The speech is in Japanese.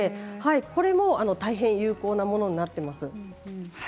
これも大変有効なものになっています。